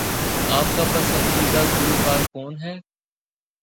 آپ کا پسندیدہ گلوکار کون ہے؟